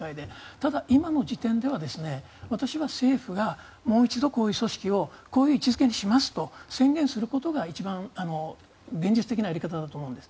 ただ、今の時点では私は政府がもう一度こういう組織をこういう位置付けにしますと宣言することが一番、現実的なやり方だと思うんです。